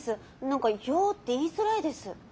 何か「よ！」って言いづらいです。